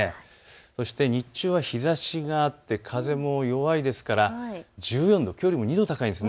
そして日中は日ざしがあって、風も弱いですから１４度、きょうよりも２度高いんです。